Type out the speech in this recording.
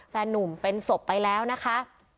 นุ่มเป็นศพไปแล้วนะคะ